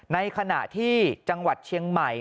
ในขณะที่จังหวัดเชียงใหม่